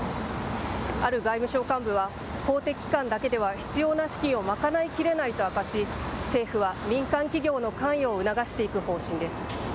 ある外務省幹部は、公的機関だけでは必要な資金を賄いきれないと明かし、政府は民間企業の関与を促していく方針です。